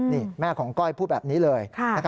นี่แม่ของก้อยพูดแบบนี้เลย